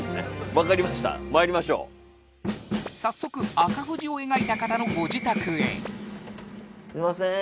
分かりました参りましょう早速紅富士を描いた方のご自宅へすみません